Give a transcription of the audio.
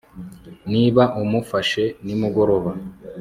niba umufashe nimugoroba